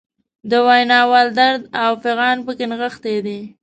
د ویناوال درد او فعان پکې نغښتی دی.